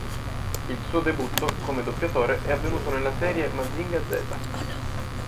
Il suo debutto come doppiatore è avvenuto nella serie "Mazinga Z".